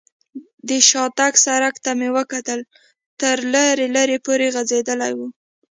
د شاتګ سړک ته مې وکتل، تر لرې لرې پورې غځېدلی و.